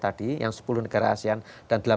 tadi yang sepuluh negara asean dan